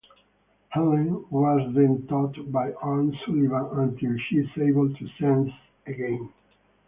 Hellen was then taught by Anne Sullivan until she is able to sense again.